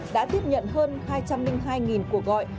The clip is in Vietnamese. đã tiếp nhận hơn hai trăm linh hai cuộc gọi